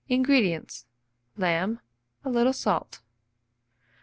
INGREDIENTS. Lamb; a little salt.